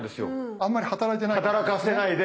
あんまり働いてないかも。